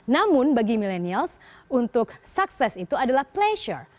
namun bagi milenials untuk sukses itu adalah pleasure